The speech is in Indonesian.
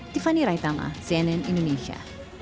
tiffany raitama cnn indonesia